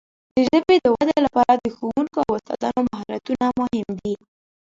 د ژبې د وده لپاره د ښوونکو او استادانو مهارتونه مهم دي.